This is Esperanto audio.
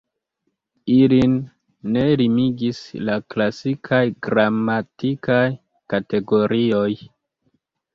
Ilin ne limigis la klasikaj gramatikaj kategorioj.